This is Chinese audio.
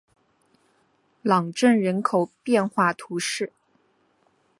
朗镇人口变化图示